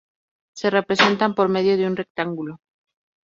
Se representan por medio de un rectángulo.